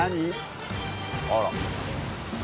あら。